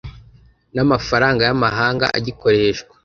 n amafaranga y amahanga agikoreshwa